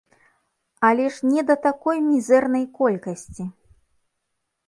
Але ж не да такой мізэрнай колькасці!